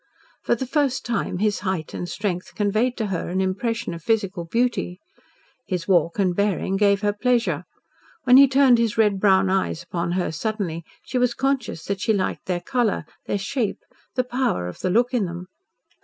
For the first time his height and strength conveyed to her an impression of physical beauty. His walk and bearing gave her pleasure. When he turned his red brown eyes upon her suddenly she was conscious that she liked their colour, their shape, the power of the look in them.